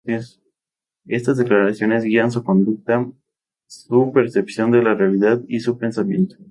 Estas declaraciones guían su conducta, su percepción de la realidad y su pensamiento.